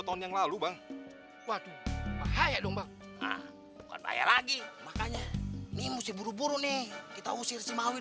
tahun yang lalu bucket bye dong bang you can say lagi makanya nih musti buru buru nih kita usir mawi